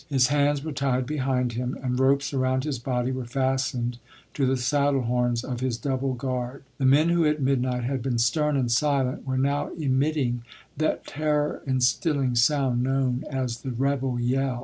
His hands were tied behind him, and ropes around his body were fastened to the saddle horns of his double guard. The men who at midnight had been stern and silent were now emitting that terror instilling sound known as the "rebel yell."